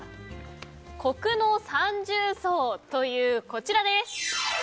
コクの三重奏というこちらです。